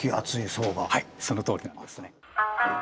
はいそのとおりなんですね。